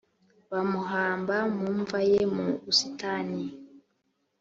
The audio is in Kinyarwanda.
bamuhamba mu mva ye mu busitani